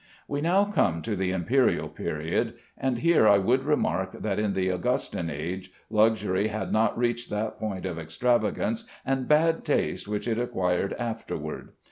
We now come to the Imperial period; and here I would remark that in the Augustine age, luxury had not reached that point of extravagance and bad taste which it acquired afterward.